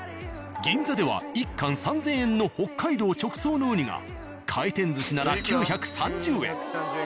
銀座では一貫３０００円の北海道直送のウニが回転寿司なら９３０円。